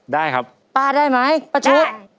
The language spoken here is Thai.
ได้ครับป้าได้ไหมป้าชุด